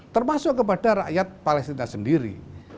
termasuk kepada rakyat palestina sendiri